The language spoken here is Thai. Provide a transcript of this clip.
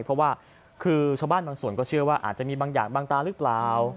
เพราะว่าคือชาวบ้านบางส่วนก็เชื่อว่าอาจจะมีบางอย่างบางตาหรือเปล่า